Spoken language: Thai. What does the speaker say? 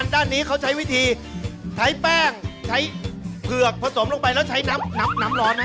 ด้านนี้เขาใช้วิธีใช้แป้งใช้เผือกผสมลงไปแล้วใช้น้ำร้อนนะ